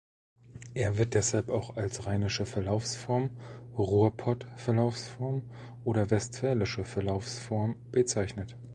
Er wird deshalb auch als rheinische Verlaufsform, Ruhrpott-Verlaufsform oder westfälische Verlaufsform bezeichnet.